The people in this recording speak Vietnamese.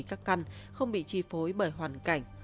các căn không bị tri phối bởi hoàn cảnh